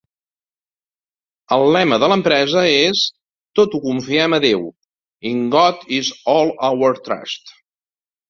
El lema de l'empresa és "Tot ho confiem a Déu" ("In God Is All Our Trust").